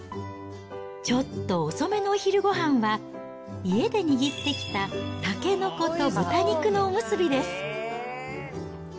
ちょっと遅めのお昼ごはんは、家で握ってきたたけのこと豚肉のおむすびです。